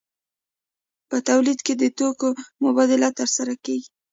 په تولید کې د توکو مبادله ترسره کیږي.